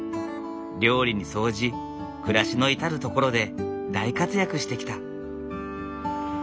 料理に掃除暮らしの至る所で大活躍してきた。